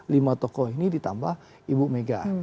lima tokoh ini ditambah ibu mega